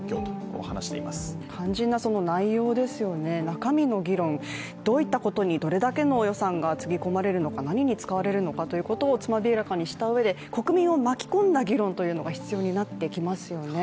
中身の議論、どういったことにどれだけの予算がつぎ込まれるのか、何に使われるのかということをつまびらかにしたうえで国民を巻き込んだ議論が必要になってきますよね。